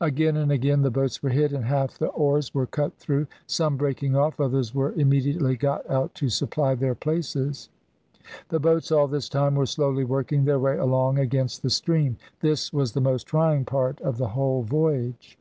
Again and again the boats were hit, and half the oars were cut through. Some breaking off, others were immediately got out to supply their places. The boats all this time were slowly working their way along against the stream. This was the most trying part of the whole voyage.